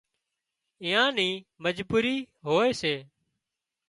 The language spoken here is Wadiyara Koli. اويئان نِي مجبُوري هوئي سي